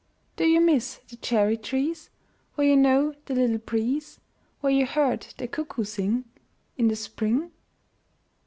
Do you miss the cherry trees Where you know the little breeze, Where you heard the cuckoo sing In the spring?